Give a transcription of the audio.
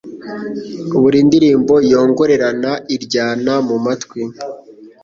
Buri ndirimbo yongorerana iryana mu matwi